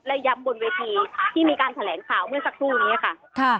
และย้ำบนเวทีที่มีการแถลงข่าวเมื่อสักครู่นี้ค่ะ